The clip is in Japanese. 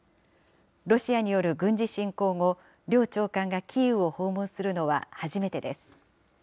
ロシアによる軍事侵攻後、両長官がキーウを訪問するのは初めてです。